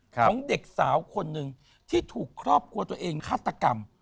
ของเด็กสาวคนหนึ่งที่ถูกครอบครัวตัวเองฆาตกรรม